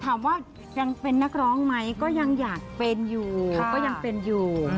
ถามว่ายังเป็นนักร้องไหมก็ยังอยากเป็นอยู่ก็ยังเป็นอยู่